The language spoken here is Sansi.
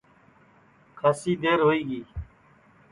کھاسی دیر ہوئی گی